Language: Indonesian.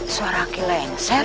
suara kileng ser